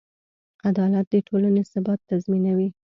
عدالت د ټولنې ثبات تضمینوي.